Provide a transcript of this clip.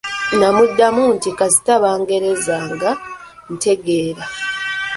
N’abaddamu nti, “Kasita Bangereza nga ntegeera.῎